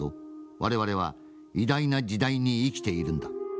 我々は偉大な時代に生きているんだ』。